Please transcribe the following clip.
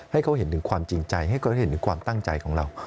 ให้เขาเห็นถึงความจริงใจให้เขาเห็นถึงความตั้งใจของเรา